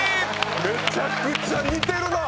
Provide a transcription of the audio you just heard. めちゃくちゃ似てるなぁ。